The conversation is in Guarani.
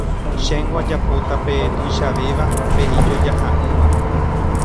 Chéngo ajapota pe tuichavéva, pe ijojaha'ỹva.